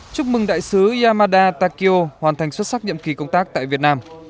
chúc mừng đại sứ yamada takio hoàn thành xuất sắc nhiệm kỳ công tác tại việt nam